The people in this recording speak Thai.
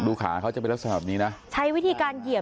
พ่อปู่ฤาษีเทพนรสิงค่ะมีเฮ็ดโฟนเหมือนเฮ็ดโฟน